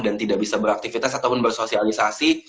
dan tidak bisa beraktivitas ataupun bersosialisasi